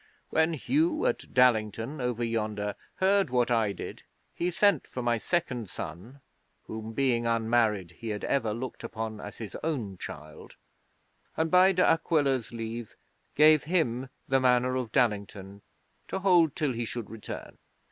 When Hugh, at Dallington, over yonder, heard what I did, he sent for my second son, whom being unmarried he had ever looked upon as his own child, and, by De Aquila's leave, gave him the Manor of Dallington to hold till he should return.